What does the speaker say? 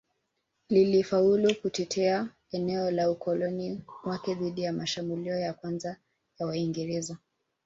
Lilifaulu kutetea eneo la ukoloni wake dhidi ya mashambulio ya kwanza ya Waingereza